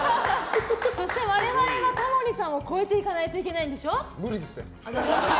そして、我々はタモリさんを超えていかないと無理ですよ！